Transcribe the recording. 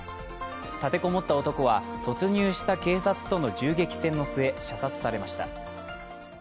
立てこもった男は突入した警察との銃撃戦の末射殺されました。